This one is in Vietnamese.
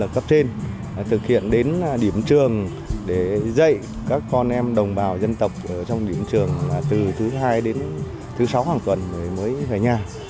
các con em đồng bào dân tộc ở trong điểm trường là từ thứ hai đến thứ sáu hàng tuần mới về nhà